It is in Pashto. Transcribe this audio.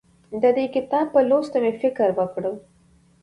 د دې کتاب په لوستو مې فکر وکړ.